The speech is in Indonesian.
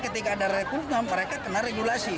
ketika ada rekrutmen mereka kena regulasi